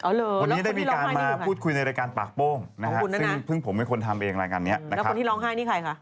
วันนี้ได้มีการมาพูดคุยในรายการปากโป้งนะฮะซึ่งเพิ่งผมเป็นคนทำเองรายการนี้นะครับคนที่ร้องไห้นี่ใครคะ